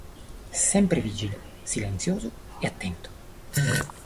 Sempre vigile, silenzioso e attento.